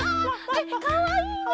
えっかわいいね！